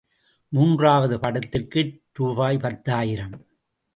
மூன்றாவது படத்திற்கு ரூபாய் பத்தாயிரம்.